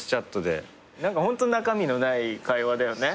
ホント中身のない会話だよね。